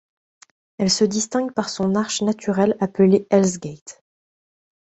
Elle se distingue par son arche naturelle appelée Hell's Gate.